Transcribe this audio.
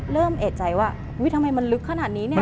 เริ่มแอดใจว่ายุ้ยทำไมมันลึกขนาดนี้จะ